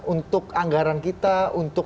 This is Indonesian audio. untuk anggaran kita untuk